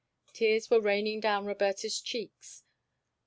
Tears were raining down Roberta's cheeks.